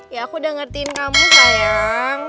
ya aku udah ngertiin kamu sayang